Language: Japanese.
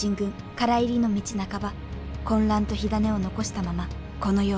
唐入りの道半ば混乱と火種を残したままこの世を去ります。